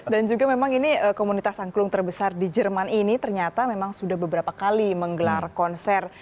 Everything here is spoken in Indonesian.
dan juga memang ini komunitas angklung terbesar di jerman ini ternyata memang sudah beberapa kali menggelar konser